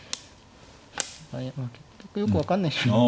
結局よく分かんない将棋に。